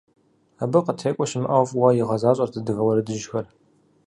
Абы къытекӏуэ щымыӏэу фӏыуэ игъэзащӏэрт адыгэ уэрэдыжьхэр.